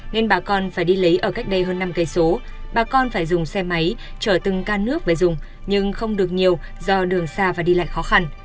nên bà con phải đi lấy ở cách đây hơn năm cây số bà con phải dùng xe máy chở từng can nước về dùng nhưng không được nhiều do đường xa và đi lại khó khăn